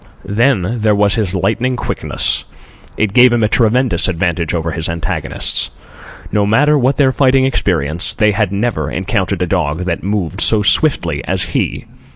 Then there was his lightning quickness. It gave him a tremendous advantage over his antagonists. No matter what their fighting experience, they had never encountered a dog that moved so swiftly as he.